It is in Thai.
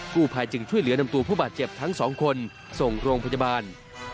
ภายจึงช่วยเหลือนำตัวผู้บาดเจ็บทั้งสองคนส่งโรงพยาบาล